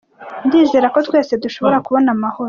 "Ndizera ko twese dushobora kubona amahoro.